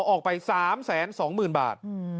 ออกไป๓๒๐๐๐บาท